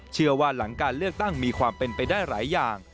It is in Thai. เชื่อว่าหลังการเลือกตั้งมีความเป็นไปได้หลายอย่าง